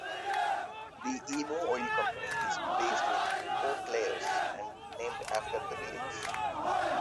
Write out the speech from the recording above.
The Emo Oil Company is based in Portlaoise and named after the village.